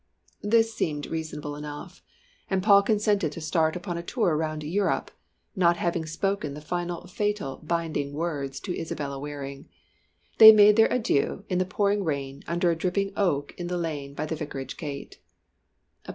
This seemed reasonable enough, and Paul consented to start upon a tour round Europe not having spoken the final fatal and binding words to Isabella Waring. They made their adieux in the pouring rain under a dripping oak in the lane by the Vicarage gate.